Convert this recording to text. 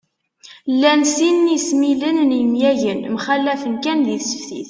Llan sin n yesmilen n yemyagen, mxallafen kan di tseftit